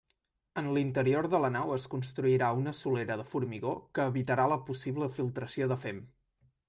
En l'interior de la nau es construirà una solera de formigó que evitarà la possible filtració de fem.